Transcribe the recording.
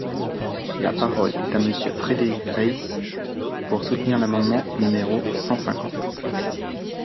La parole est à Monsieur Frédéric Reiss, pour soutenir l’amendement numéro cent cinquante.